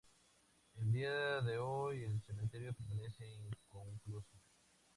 A día de hoy, el cementerio permanece inconcluso.